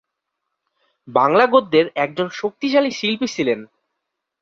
বাংলা গদ্যের একজন শক্তিশালী শিল্পী ছিলেন।